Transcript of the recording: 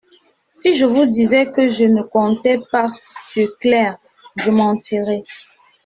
Si je vous disais que je ne comptais pas sur Claire, je mentirais.